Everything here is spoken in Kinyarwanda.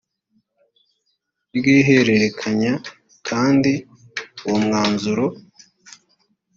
ry ihererekanya kandi uwo mwanzuro